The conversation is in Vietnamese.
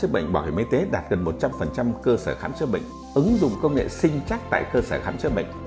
bệnh bảo hiểm y tế đạt gần một trăm linh cơ sở khám chữa bệnh ứng dụng công nghệ sinh chắc tại cơ sở khám chữa bệnh